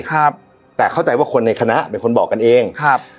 ครับแต่เข้าใจว่าคนในคณะเป็นคนบอกกันเองครับ